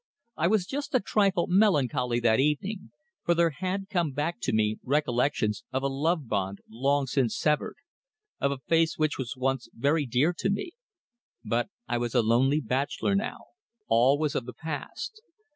I was just a trifle melancholy that evening, for there had come back to me recollections of a love bond long since severed, of a face which was once very dear to me. But I was a lonely bachelor now. All was of the past.